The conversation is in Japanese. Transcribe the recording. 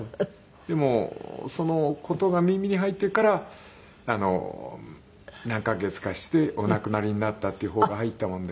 でもその事が耳に入ってから何カ月かしてお亡くなりになったって訃報が入ったもんで。